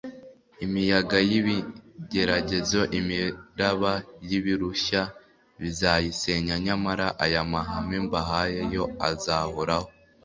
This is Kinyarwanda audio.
imiyaga y’ibigeragezo, imiraba y’ibirushya, bizayisenya nyamara aya mahame mbahaye yo azahoraho